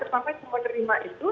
sampai semua terima itu